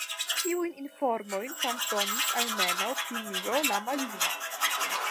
Tiujn informojn transdonis almenaŭ Plinio la Maljuna.